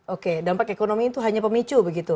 oke dampak ekonomi itu hanya pemicu begitu